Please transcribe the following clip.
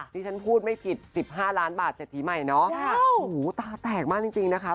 ที่ฉันพูดไม่ผิดสิบห้าล้านบาทเศรษฐีใหม่เนาะโอ้โหตาแตกมากจริงจริงนะคะ